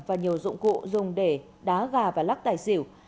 và nhiều dụng cụ dùng để đá gà và lắc tài xỉu